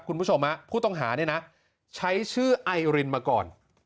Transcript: คุณผู้ชมผู้ต้องหาเนี่ยนะใช้ชื่อไอรินมาก่อน